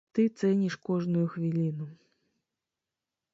Ты цэніш кожную хвіліну.